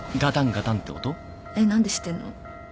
えっなんで知ってるの？